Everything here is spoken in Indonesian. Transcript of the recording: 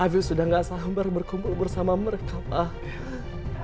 afif sudah gak sabar berkumpul bersama mereka pak